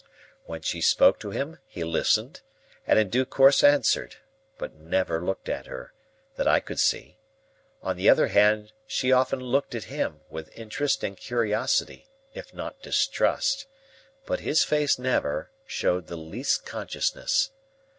When she spoke to him, he listened, and in due course answered, but never looked at her, that I could see. On the other hand, she often looked at him, with interest and curiosity, if not distrust, but his face never showed the least consciousness.